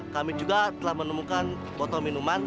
kami juga telah menemukan botol minuman